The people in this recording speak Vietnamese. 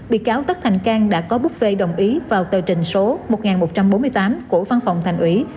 bị cáo tất thành cang đã có bức vệ đồng ý vào tờ trình số một nghìn một trăm bốn mươi tám của phan phòng thành ủy